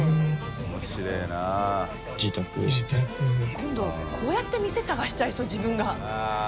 今度こうやって店探しちゃいそう自分が。